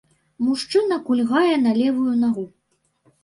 Мужчына кульгае на левую нагу.